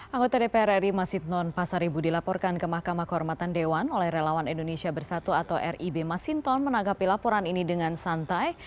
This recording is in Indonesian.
anggota dpr ri masinton pasaribu dilaporkan ke mahkamah kehormatan dewan oleh relawan indonesia bersatu atau rib masinton menanggapi laporan ini dengan santai